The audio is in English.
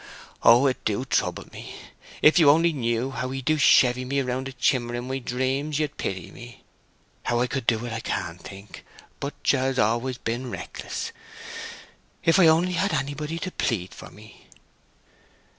Oh, it do trouble me! If you only knew how he do chevy me round the chimmer in my dreams, you'd pity me. How I could do it I can't think! But 'ch was always so rackless!...If I only had anybody to plead for me!"